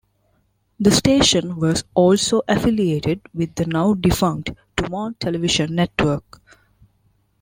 The station was also affiliated with the now-defunct DuMont Television Network.